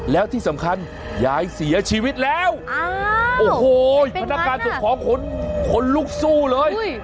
แล้วที่สำคัญยายเสียชีวิตแล้วโอ้โหพนักงานส่งของคนขนลุกสู้เลย